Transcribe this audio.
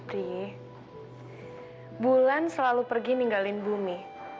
di bulan selalu pergi ninggalin bumi